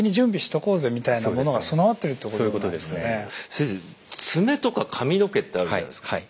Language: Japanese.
先生爪とか髪の毛ってあるじゃないですか。